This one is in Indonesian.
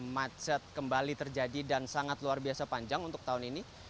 macet kembali terjadi dan sangat luar biasa panjang untuk tahun ini